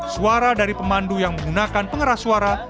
suara dari pemandu yang menggunakan pengeras suara